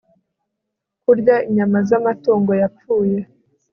kurya inyama zamatungo yapfuye